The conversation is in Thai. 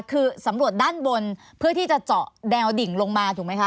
คือสำรวจด้านบนเพื่อที่จะเจาะแนวดิ่งลงมาถูกไหมคะ